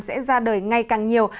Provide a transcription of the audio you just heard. sẽ ra đời ngay càng nhiều